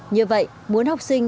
như vậy muốn học sinh